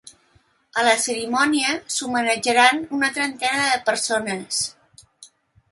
A la cerimònia, s’homenatjaran una trentena de persones.